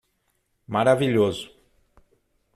Maravilhoso